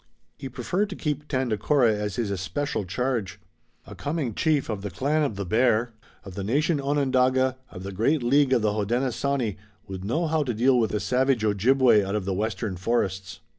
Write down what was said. He preferred to keep Tandakora as his especial charge. A coming chief of the clan of the Bear, of the nation Onondaga, of the great League of the Hodenosaunee, would know how to deal with a savage Ojibway out of the western forests.